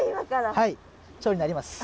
はい蝶になります。